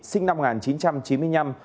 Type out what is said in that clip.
sinh năm một nghìn chín trăm chín mươi năm